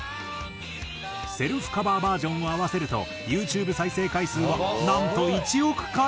セルフカバーバージョンを合わせるとユーチューブ再生回数はなんと１億回以上。